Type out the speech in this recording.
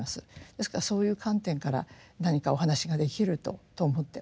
ですからそういう観点から何かお話ができると思っております。